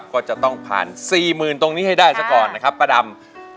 ก็จะต้องผ่าน๔๐๐๐ตรงนี้ให้ได้ซะก่อนนะครับป้าดำ